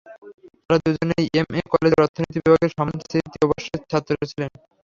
তারা দুজনই এমএম কলেজের অর্থনীতি বিভাগের সম্মান তৃতীয় বর্ষে ছাত্র ছিলেন।